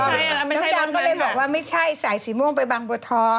ดำก็เลยบอกว่าไม่ใช่สายสีม่วงไปบางบัวทอง